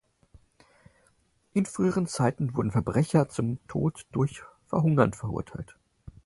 In früheren Zeiten wurden Verbrecher zum Tod durch Verhungern verurteilt.